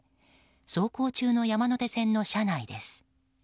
走行中の山手線の車内です。